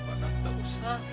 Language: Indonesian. padahal tak usah